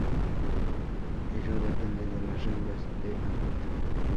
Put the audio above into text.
Ello depende de las reglas de ámbito.